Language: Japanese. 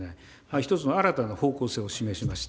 一つの新たな方向性を示しました。